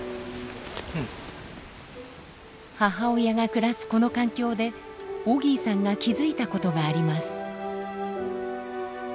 母親が暮らすこの環境でオギーさんが気付いたことがあります。